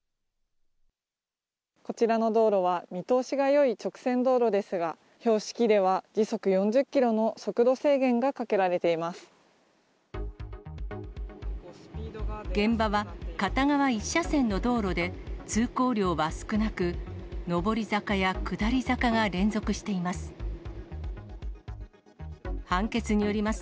こちらの道路は、見通しがよい直線道路ですが、標識では時速４０キロの速度制限現場は片側１車線の道路で、通行量は少なく、上り坂や下り坂が連続しています。